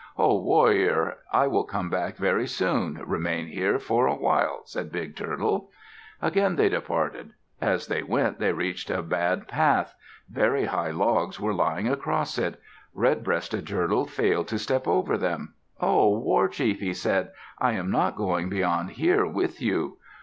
"Ho, warrior. I will come back very soon. Remain here for a while," said Big Turtle. Again they departed. As they went, they reached a bad path. Very high logs were lying across it. Redbreasted Turtle failed to step over them. "Ho, O war chief," he said. "I am not going beyond here with you."